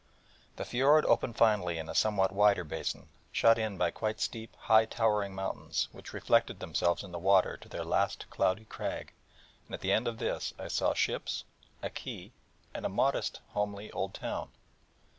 The fjord opened finally in a somewhat wider basin, shut in by quite steep, high towering mountains, which reflected themselves in the water to their last cloudy crag: and, at the end of this I saw ships, a quay, and a modest, homely old town.